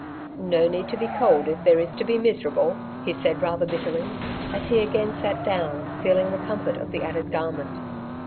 '^ No need to be cold, if there is to be miserable/' he said rather bitterly as he again sat down, feeling the comfort of the added garment.